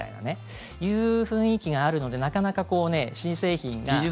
そういう雰囲気があるのでなかなか新製品が。